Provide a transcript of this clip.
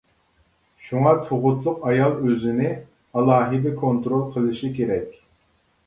شۇڭا تۇغۇتلۇق ئايال ئۆزىنى ئالاھىدە كونترول قىلىشى كېرەك.